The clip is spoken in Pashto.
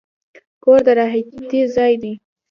کور د راحتي ځای دی.